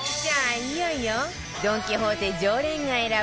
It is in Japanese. いよいよドン・キホーテ常連が選ぶ